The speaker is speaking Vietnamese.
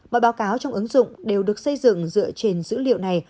mọi báo cáo trong ứng dụng đều được xây dựng dựa trên dữ liệu này